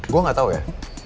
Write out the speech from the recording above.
gue gak tau ya